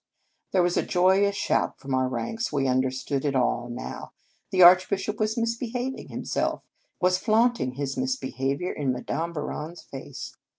There was a joyous shout from our ranks. We understood it all now. The Archbishop was misbehaving himself, was flaunting his misbehaviour in Madame Bouron s face.